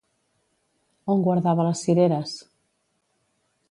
On guardava les cireres?